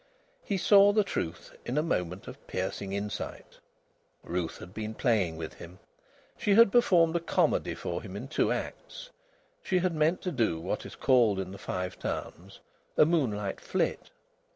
He saw the truth in a moment of piercing insight. Ruth had been playing with him! She had performed a comedy for him in two acts. She had meant to do what is called in the Five Towns "a moonlight flit."